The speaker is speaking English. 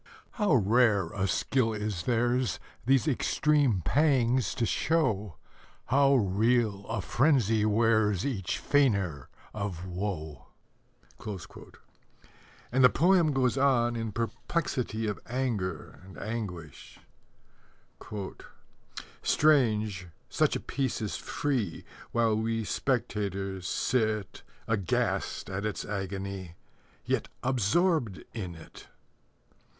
How rare a skill is theirs These extreme pangs to show, How real a frenzy wears Each feigner of woe! And the poem goes on in perplexity of anger and anguish: Strange, such a Piece is free, While we spectators sit, Aghast at its agony, Yet absorbed in it!